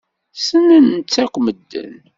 Ssnen-tt akk medden.